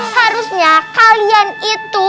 harusnya kalian itu